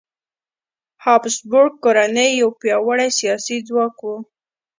هابسبورګ کورنۍ یو پیاوړی سیاسي ځواک و.